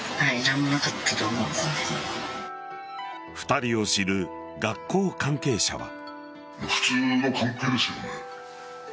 ２人を知る学校関係者は。